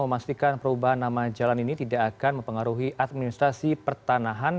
memastikan perubahan nama jalan ini tidak akan mempengaruhi administrasi pertanahan